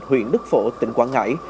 huyện đức phổ tỉnh quảng ngãi